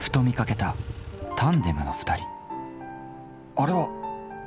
あれは！